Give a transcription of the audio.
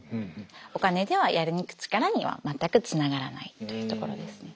お金ではやり抜く力には全くつながらないというところですね。